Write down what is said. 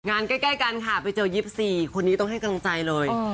ใกล้กันค่ะไปเจอ๒๔คนนี้ต้องให้กำลังใจเลย